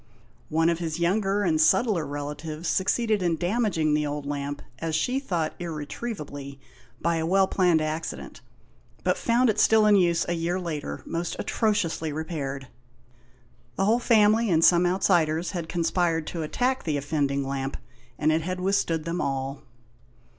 One of his younger and subtler relatives succeeded in damaging the old lamp, as she thought, irretrievably, by a well planned acci dent, but found it still in use a year later, most atrociously repaired. The whole family, and some outsiders, had conspired to attack the offending lamp, and it had withstood them all.